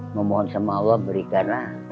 memohon sama allah berikanlah